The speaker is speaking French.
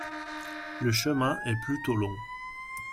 Le chemin est plutôt long.